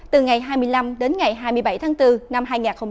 từ ngày hai mươi năm đến ngày hai mươi bảy tháng bốn năm hai nghìn hai mươi bốn